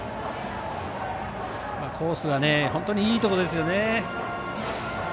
コースが本当にいいところですね。